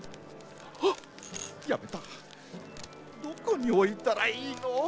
どこにおいたらいいの？